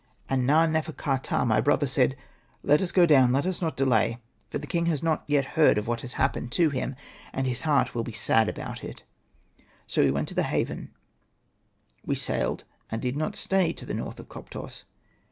" And Na.nefer.ka.ptah, my brother, said, ' Let us go down, let us not delay, for the king has not yet heard of what has happened to him, and his heart will be sad about it.' So we went to the haven, we sailed, and did not stay to the north of Koptos.